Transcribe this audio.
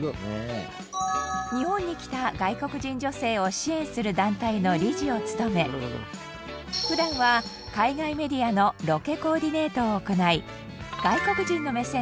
日本に来た外国人女性を支援する団体の理事を務め普段は海外メディアのロケコーディネートを行い。